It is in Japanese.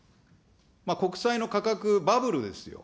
国債の価格、バブルですよ。